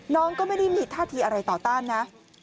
น้องก็ไม่ได้มีท่าทีอะไรต่อต้านนะ